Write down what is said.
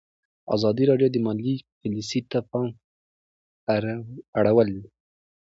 ازادي راډیو د مالي پالیسي ته پام اړولی.